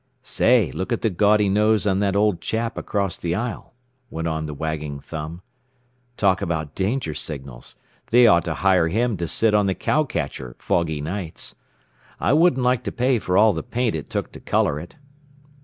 "Say, look at the gaudy nose on that old chap across the aisle," went on the wagging thumb. "Talk about danger signals! They ought to hire him to sit on the cow catcher foggy nights.... I wouldn't like to pay for all the paint it took to color it....